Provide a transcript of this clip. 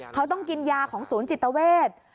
เขาต้องกินยาของศูนย์จิตเวท